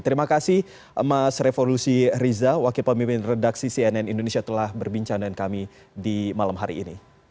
terima kasih mas revolusi riza wakil pemimpin redaksi cnn indonesia telah berbincang dengan kami di malam hari ini